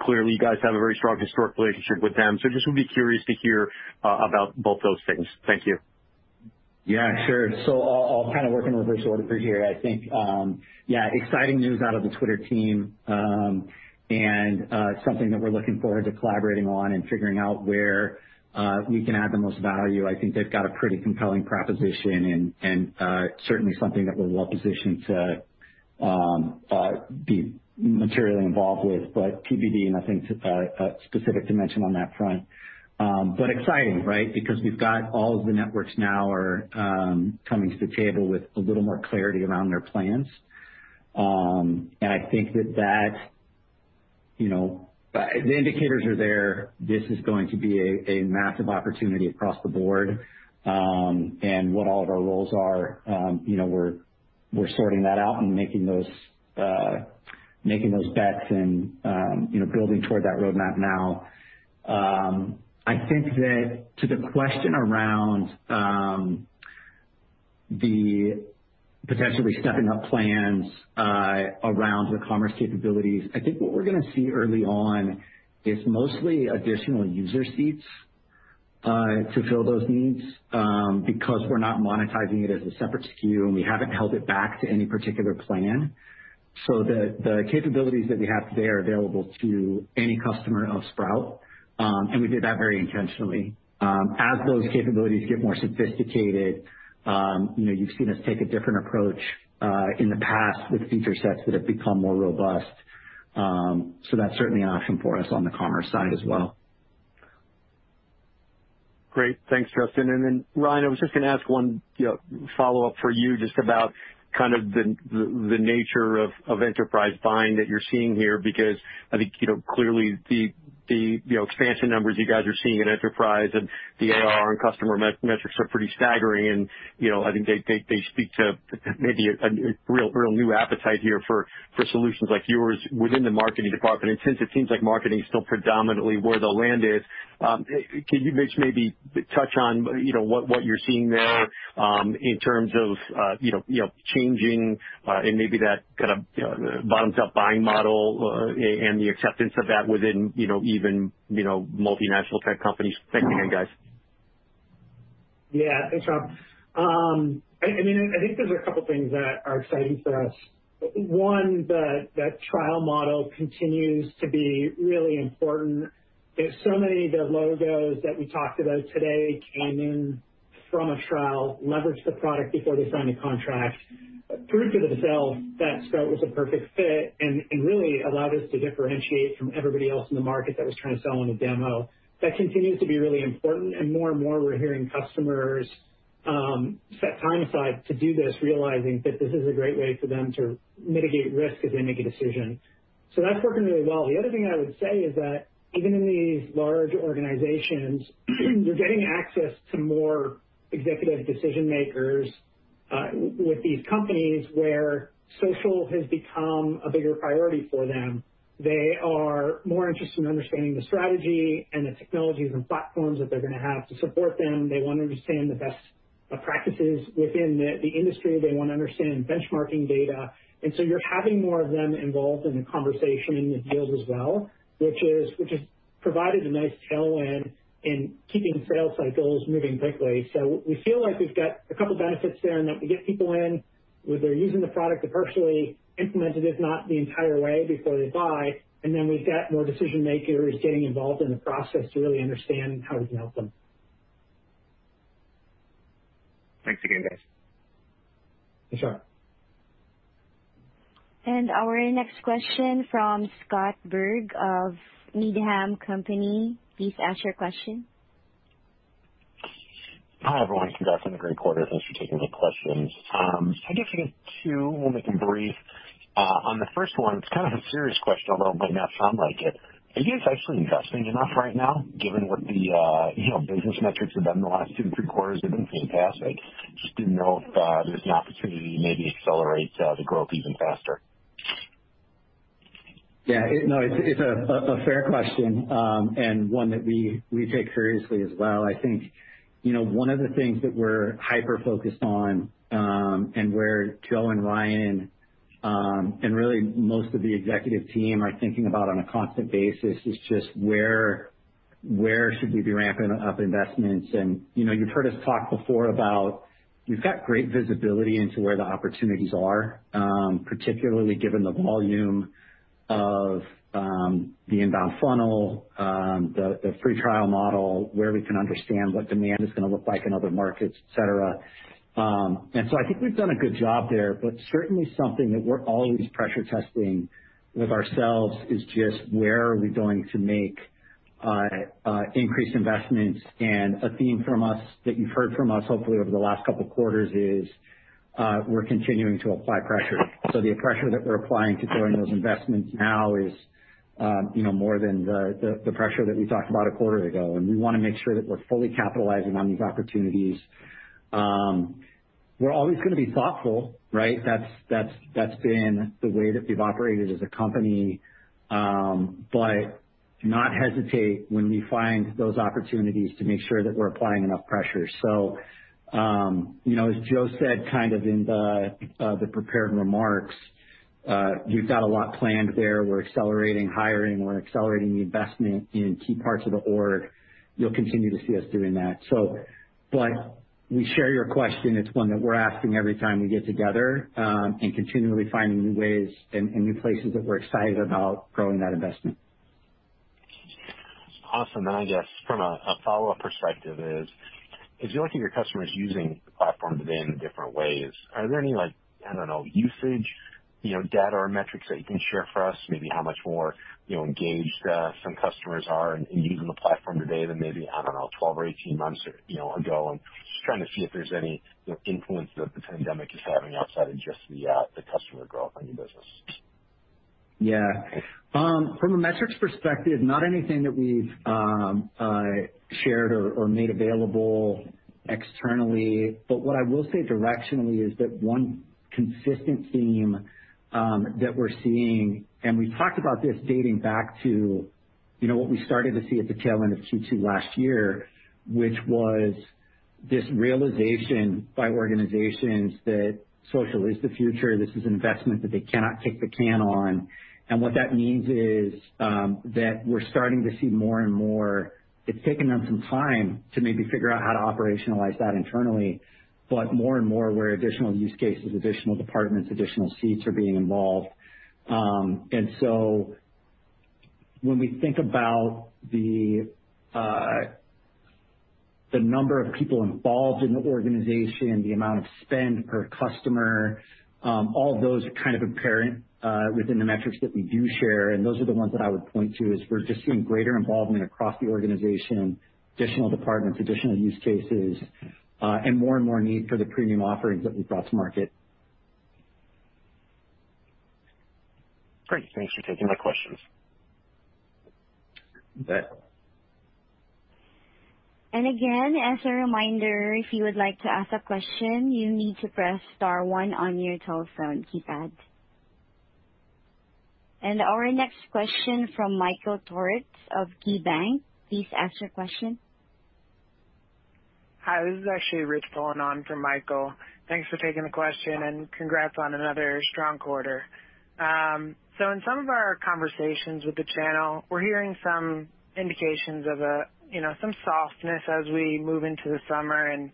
clearly you guys have a very strong historic relationship with them. Just would be curious to hear about both those things. Thank you. Yeah, sure. I'll kind of work in reverse order for here, I think. Yeah, exciting news out of the Twitter team, and something that we're looking forward to collaborating on and figuring out where we can add the most value. I think they've got a pretty compelling proposition, and certainly something that we're well-positioned to be materially involved with. TBD, nothing specific to mention on that front. Exciting, right? Because we've got all of the networks now are coming to the table with a little more clarity around their plans. I think that the indicators are there. This is going to be a massive opportunity across the board. What all of our roles are, we're sorting that out and making those bets and building toward that roadmap now. I think that to the question around the potentially stepping up plans around the commerce capabilities, I think what we're going to see early on is mostly additional user seats to fill those needs, because we're not monetizing it as a separate SKU, and we haven't held it back to any particular plan. The capabilities that we have today are available to any customer of Sprout, and we did that very intentionally. As those capabilities get more sophisticated, you've seen us take a different approach in the past with feature sets that have become more robust. That's certainly an option for us on the commerce side as well. Great. Thanks, Justyn. Then Ryan, I was just going to ask one follow-up for you, just about kind of the nature of enterprise buying that you're seeing here, because I think, clearly the expansion numbers you guys are seeing in enterprise and the ARR and customer metrics are pretty staggering. I think they speak to maybe a real new appetite here for solutions like yours within the marketing department. Since it seems like marketing is still predominantly where the land is, can you maybe touch on what you're seeing there in terms of changing and maybe that kind of bottoms-up buying model and the acceptance of that within even multinational tech companies spending on you guys? Thanks, Rob. I think there's a couple things that are exciting for us. One, the trial model continues to be really important. Many of the logos that we talked about today came in from a trial, leveraged the product before they signed a contract, proved to themselves that Sprout was a perfect fit, and really allowed us to differentiate from everybody else in the market that was trying to sell on a demo. That continues to be really important, more and more, we're hearing customers set time aside to do this, realizing that this is a great way for them to mitigate risk as they make a decision. That's working really well. The other thing I would say is that even in these large organizations, we're getting access to more executive decision-makers with these companies where social has become a bigger priority for them. They are more interested in understanding the strategy and the technologies and platforms that they're going to have to support them. They want to understand the best practices within the industry. They want to understand benchmarking data. You're having more of them involved in the conversation and in the deals as well, which has provided a nice tailwind in keeping sales cycles moving quickly. We feel like we've got a couple benefits there in that we get people in where they're using the product, they're partially implemented, if not the entire way, before they buy, and then we've got more decision-makers getting involved in the process to really understand how we can help them. Thanks again, guys. For sure. Our next question from Scott Berg of Needham & Company. Please ask your question. Hi, everyone. Congratulations on a great quarter. Thanks for taking the questions. I guess I got two, we'll make them brief. On the 1st one, it's kind of a serious question, although it might not sound like it. Are you guys actually investing enough right now given what the business metrics have done in the last two, three quarters? They've been fantastic. Just didn't know if there's an opportunity to maybe accelerate the growth even faster. Yeah. No, it's a fair question, one that we take seriously as well. I think one of the things that we're hyper-focused on, and where Joe and Ryan, and really most of the executive team are thinking about on a constant basis is just where should we be ramping up investments. You've heard us talk before about we've got great visibility into where the opportunities are, particularly given the volume of the inbound funnel, the free trial model, where we can understand what demand is going to look like in other markets, et cetera. I think we've done a good job there, but certainly something that we're always pressure testing with ourselves is just where are we going to make increased investments. A theme that you've heard from us, hopefully over the last couple of quarters, is we're continuing to apply pressure. The pressure that we're applying to growing those investments now is more than the pressure that we talked about a quarter ago, and we want to make sure that we're fully capitalizing on these opportunities. We're always going to be thoughtful, right? That's been the way that we've operated as a company. Not hesitate when we find those opportunities to make sure that we're applying enough pressure. As Joe said kind of in the prepared remarks. We've got a lot planned there. We're accelerating hiring, we're accelerating the investment in key parts of the org. You'll continue to see us doing that. We share your question. It's one that we're asking every time we get together, and continually finding new ways and new places that we're excited about growing that investment. Awesome. I guess from a follow-up perspective is, as you look at your customers using the platform today in different ways, are there any, I don't know, usage data or metrics that you can share for us? Maybe how much more engaged some customers are in using the platform today than maybe, I don't know, 12 or 18 months ago. I'm just trying to see if there's any influence that the pandemic is having outside of just the customer growth on your business. Yeah. From a metrics perspective, not anything that we've shared or made available externally. What I will say directionally is that one consistent theme that we're seeing, and we talked about this dating back to what we started to see at the tail end of Q2 last year, which was this realization by organizations that social is the future. This is an investment that they cannot kick the can on. What that means is that we're starting to see more and more, it's taken them some time to maybe figure out how to operationalize that internally, but more and more, where additional use cases, additional departments, additional seats are being involved. When we think about the number of people involved in the organization, the amount of spend per customer, all of those are kind of apparent within the metrics that we do share. Those are the ones that I would point to, is we're just seeing greater involvement across the organization, additional departments, additional use cases, and more and more need for the premium offerings that we brought to market. Great. Thanks for taking my questions. You bet. Our next question from Michael Turits of KeyBanc. Please ask your question. Hi, this is actually Rich going on for Michael. Thanks for taking the question and congrats on another strong quarter. In some of our conversations with the channel, we're hearing some indications of some softness as we move into the summer in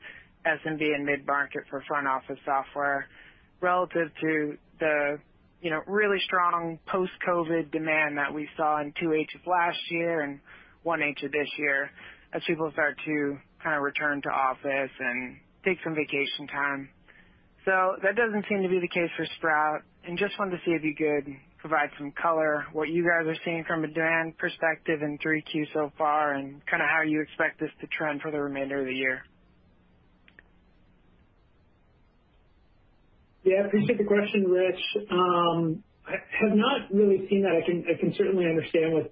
SMB and mid-market for front office software relative to the really strong post-COVID demand that we saw in 2H of last year and 1H of this year as people start to return to office and take some vacation time. That doesn't seem to be the case for Sprout, and just wanted to see if you could provide some color, what you guys are seeing from a demand perspective in 3Q so far, and how you expect this to trend for the remainder of the year. Yeah, appreciate the question, Rich. Have not really seen that. I can certainly understand with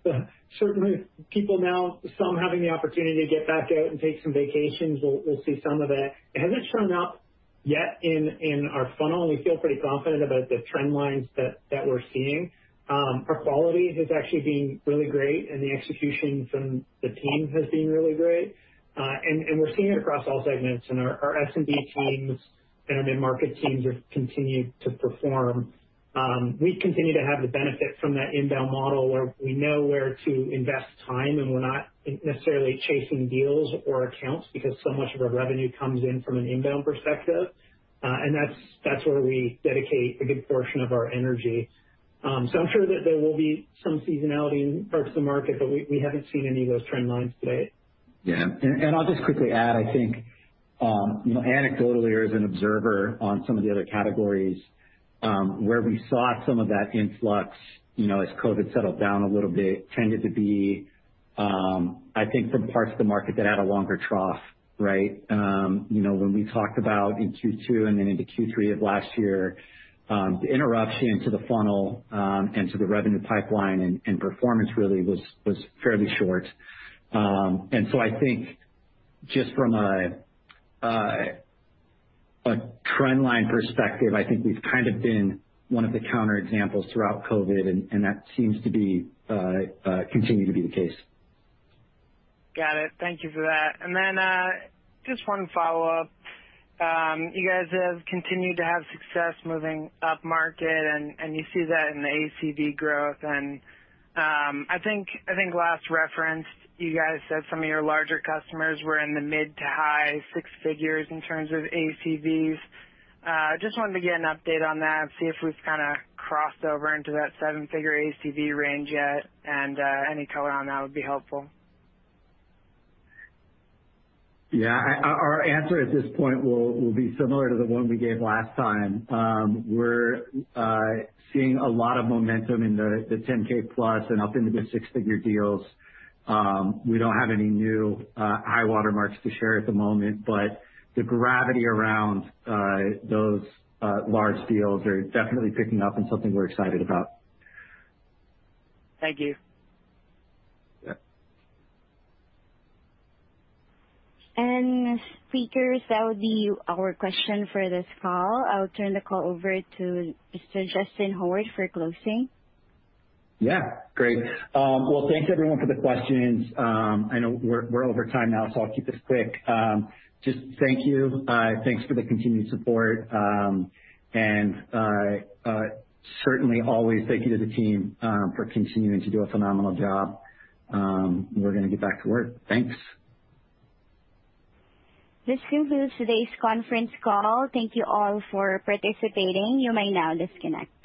certainly people now, some having the opportunity to get back out and take some vacations. We'll see some of that. It hasn't shown up yet in our funnel. We feel pretty confident about the trend lines that we're seeing. Our quality has actually been really great. The execution from the team has been really great. We're seeing it across all segments, and our SMB teams and our mid-market teams are continuing to perform. We continue to have the benefit from that inbound model where we know where to invest time, and we're not necessarily chasing deals or accounts because so much of our revenue comes in from an inbound perspective. That's where we dedicate a good portion of our energy. I'm sure that there will be some seasonality in parts of the market, but we haven't seen any of those trend lines today. Yeah. I'll just quickly add, I think anecdotally or as an observer on some of the other categories, where we saw some of that influx as COVID settled down a little bit, tended to be I think from parts of the market that had a longer trough, right? When we talked about in Q2 and then into Q3 of last year, the interruption to the funnel, and to the revenue pipeline, and performance really was fairly short. I think just from a trend line perspective, I think we've kind of been one of the counter examples throughout COVID, and that seems to continue to be the case. Got it. Thank you for that. Just one follow-up. You guys have continued to have success moving up market, and you see that in the ACV growth, and I think last referenced, you guys said some of your larger customers were in the mid to high six figures in terms of ACVs. Just wanted to get an update on that and see if we've kind of crossed over into that seven-figure ACV range yet, and any color on that would be helpful. Yeah. Our answer at this point will be similar to the one we gave last time. We're seeing a lot of momentum in the $10,000 plus and up into the six-figure deals. We don't have any new high water marks to share at the moment, but the gravity around those large deals are definitely picking up and something we're excited about. Thank you. Yeah. Speakers, that would be our question for this call. I'll turn the call over to Mr. Justyn Howard for closing. Yeah. Great. Well, thanks everyone for the questions. I know we're over time now, I'll keep this quick. Just thank you. Thanks for the continued support, certainly always thank you to the team for continuing to do a phenomenal job. We're gonna get back to work. Thanks. This concludes today's conference call. Thank you all for participating. You may now disconnect.